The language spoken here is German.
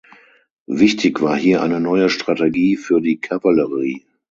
Wichtig war hier eine neue Strategie für die Kavallerie.